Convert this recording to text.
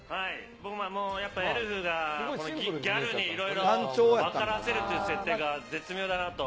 僕やっぱりエルフがこのギャルにいろいろ分からせるっていう設定が絶妙だなと。